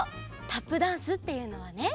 タップダンスっていうのはね